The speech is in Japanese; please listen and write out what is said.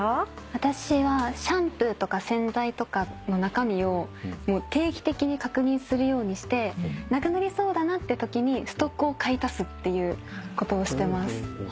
私はシャンプーとか洗剤とかの中身を定期的に確認するようにしてなくなりそうだなってときにストックを買い足すっていうことをしてます。